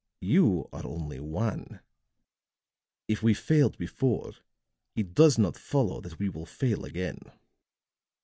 You are only one; if we failed before, it does not follow that we will fail again.